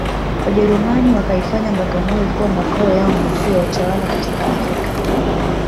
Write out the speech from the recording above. Wajerumani wakaifanya Bagamoyo kuwa makao yao makuu ya utawala katika Afrika